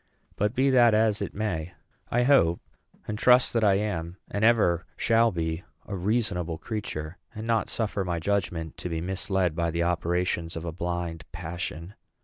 But be that as it may, I hope and trust that I am, and ever shall be, a reasonable creature, and not suffer my judgment to be misled by the operations of a blind passion.